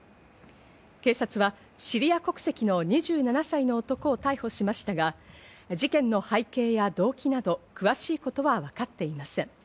警察はシリア国籍の２７歳の男を逮捕しましたが、事件の背景や動機など詳しいことはわかっていません。